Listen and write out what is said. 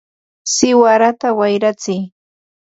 ¡siwarata wayratsiy!